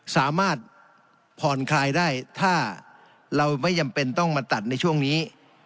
สามารถผ่อนคลายได้ถ้าเราไม่จำเป็นต้องมาตัดในช่วงนี้